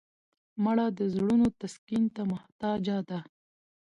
مړه د زړونو تسکین ته محتاجه ده